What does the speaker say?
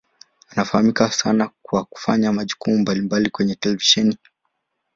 Anafahamika sana kwa kufanya majukumu mbalimbali kwenye televisheni.